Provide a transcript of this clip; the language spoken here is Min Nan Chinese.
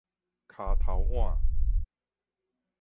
跤頭腕